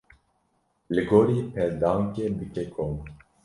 Li gorî peldankê bike kom.